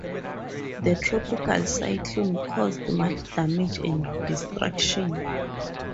The tropical cyclone caused much damage and destruction.